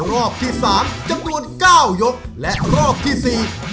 รอบที่๓จำนวน๙ยกและรอบที่๔บราบ